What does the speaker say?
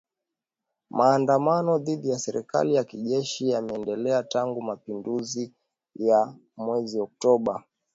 Maandamano dhidi ya serikali ya kijeshi yameendelea tangu mapinduzi ya mweziOKtoba.